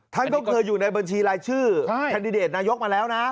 ก็เกิดอยู่ในบัญชีรายชื่อคันดิเดตนายกมาแล้วนะ